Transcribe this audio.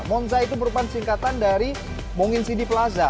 moozah itu berupan singkatan dari mungin sidi plaza